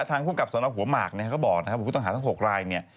ทางผู้กับสนองหัวหมากก็บอกผู้ต่างหาทั้ง๖ลายล์